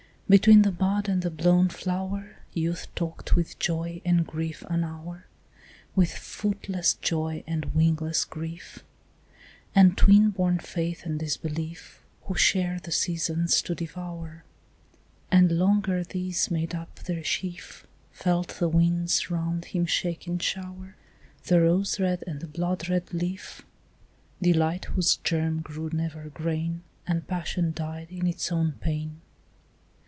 Between the bud and the blown flower Youth talked with joy and grief an hour, With footless joy and wingless grief And twin born faith and disbelief Who share the seasons to devour; And long ere these made up their sheaf Felt the winds round him shake and shower The rose red and the blood red leaf, Delight whose germ grew never grain, And passion dyed in its own pain.